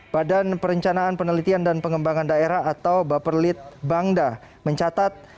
badan perencanaan penelitian dan pengembangan daerah atau baperlit bangda mencatat